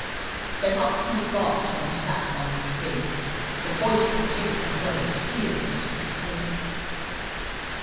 Then, up from the grass, where he sat by his tree, The voice of the Tinker rose fearless and free.